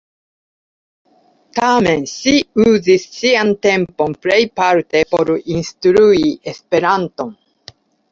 Tamen, ŝi uzis sian tempon plejparte por instrui Esperanton.